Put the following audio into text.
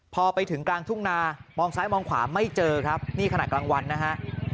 พอไปถึงกลางทุ่งนามองซ้ายมองขวาไม่เจอครับนี่ขณะกลางวันนะฮะ